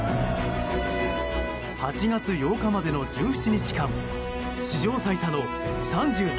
８月８日までの１７日間史上最多の３３